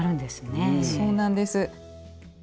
そうなんです。